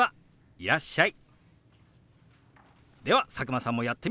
いらっしゃい。